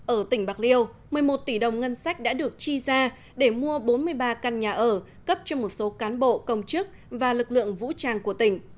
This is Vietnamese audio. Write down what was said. ở tỉnh bạc liêu một mươi một tỷ đồng ngân sách đã được chi ra để mua bốn mươi ba căn nhà ở cấp cho một số cán bộ công chức và lực lượng vũ trang của tỉnh